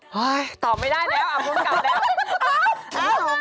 เฮ้ยตอบไม่ได้แล้วอับดุลเก่าแล้ว